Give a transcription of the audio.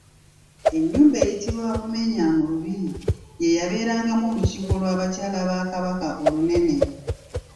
Ennyumba eyitibwa Bummenya mu Lubiri yeeyabeerangamu olukiiko lw'abakyala ba Kabaka olunene.